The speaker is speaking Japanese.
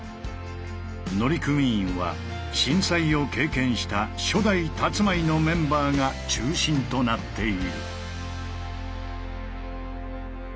乗組員は震災を経験した初代たつまいのメンバーが中心となっている。